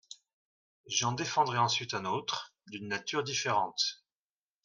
J’en défendrai ensuite un autre, d’une nature différente.